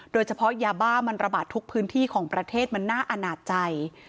โดยเฉพาะยาบ้ามันระบาดทุกพื้นที่ของประเทศมันน่าอนาจใจ